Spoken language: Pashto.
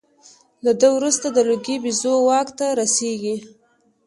له ده وروسته د لوګي بیزو واک ته رسېږي.